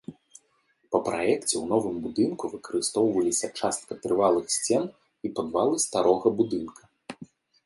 Па праекце ў новым будынку выкарыстоўваліся частка трывалых сцен і падвалы старога будынка.